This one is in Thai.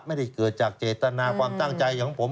ไม่ได้เกิดจากเจตนาความตั้งใจของผม